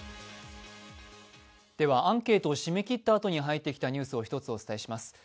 アンケートを締め切ったあとに入ってきたニュースを１つお伝えします。